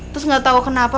terus gak tau kenapa